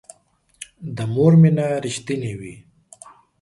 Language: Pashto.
د مور مینه رښتینې وي